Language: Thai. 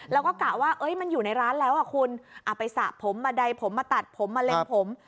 แล้วก็กะว่ามันอยู่ในร้านแล้วคุณไปสระผมมาใดผมมาตัดผมมาเล็งผม